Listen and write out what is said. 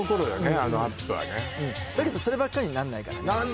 あのアップはねだけどそればっかりになんないからね